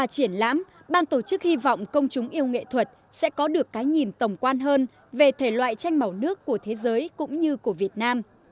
trong ban tổ chức hy vọng công chúng yêu nghệ thuật sẽ có được cái nhìn tổng quan hơn về thể loại tranh màu nước của thế giới cũng như của việt nam